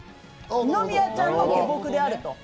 二宮ちゃんの下僕であると。